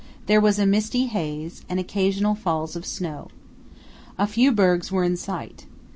There was a misty haze, and occasional falls of snow. A few bergs were in sight.